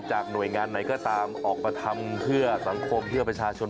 หน่วยงานไหนก็ตามออกมาทำเพื่อสังคมเพื่อประชาชน